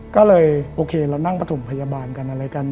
ก็เลยโอเคเรานั่งประถมพยาบาลกันอะไรกัน